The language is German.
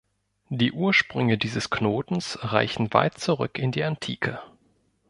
Die Ursprünge dieses Knotens reichen weit zurück in die Antike.